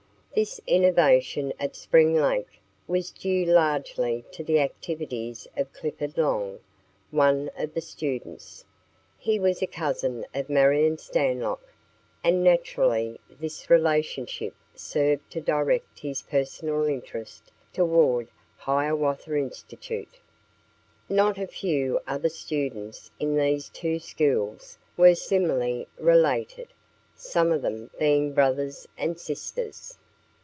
This innovation at Spring Lake was due largely to the activities of Clifford Long, one of the students. He was a cousin of Marion Stanlock, and naturally this relationship served to direct his personal interest toward Hiawatha Institute. Not a few other students in these two schools were similarly related, some of them being brothers and sisters.